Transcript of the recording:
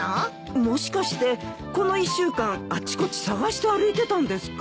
もしかしてこの１週間あちこち探して歩いてたんですか？